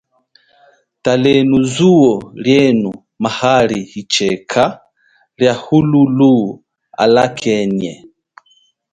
Talenu zuwo lienu maali hichika liahululu, alakenye.